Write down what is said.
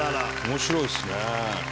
面白いですね。